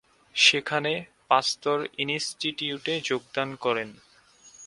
সেখানে পাস্তুর ইনস্টিটিউটে যোগদান করেন।